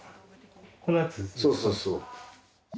そうそうそう。